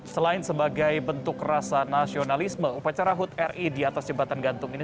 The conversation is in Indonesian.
selain sebagai bentuk rasa nasionalisme upacara hud ri di atas jembatan gantung ini